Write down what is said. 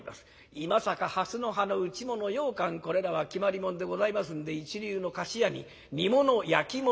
今坂蓮の葉の打ちもの羊羹これらは決まりもんでございますんで一流の菓子屋に煮物焼き物